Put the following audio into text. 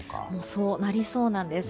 そうなりそうなんです。